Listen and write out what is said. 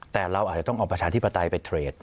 แต่เราอาจจะต้องเอาประชาธิปไตยไปเทรด